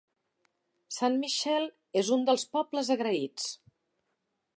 Saint Michael és un dels "pobles agraïts".